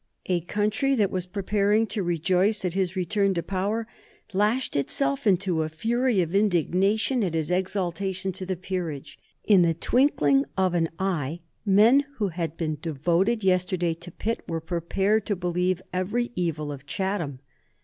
A country that was preparing to rejoice at his return to power lashed itself into a fury of indignation at his exaltation to the peerage. In the twinkling of an eye men who had been devoted yesterday to Pitt were prepared to believe every evil of Chatham.